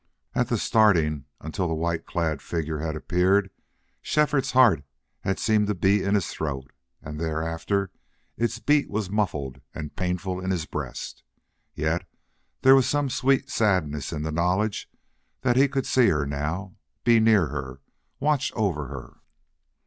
At the starting, until that white clad figure had appeared, Shefford's heart had seemed to be in his throat; and thereafter its beat was muffled and painful in his breast. Yet there was some sad sweetness in the knowledge that he could see her now, be near her, watch over her.